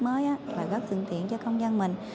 mới và góp dựng tiện cho công dân mình